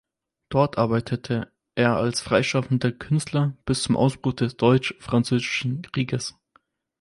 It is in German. Dort arbeitete er als freischaffender Künstler bis zum Ausbruch des Deutsch-Französischen Krieges.